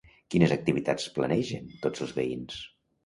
Quines activitats planegen tots els veïns?